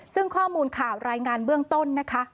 ซึ่งข้อมูลข่าวรายงานเบื้องต้นนะคะ